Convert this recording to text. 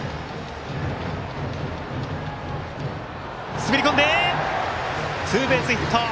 滑り込んでツーベースヒット。